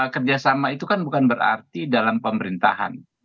kerjasama itu kan bukan berarti dalam pemerintahan